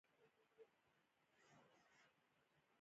وظیفه یې تر اوسه نه ده پېژندل شوې.